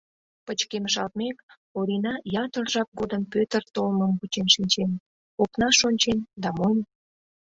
Пычкемышалтмек, Орина ятыр жап годым Пӧтыр толмым вучен шинчен, окнаш ончен да монь.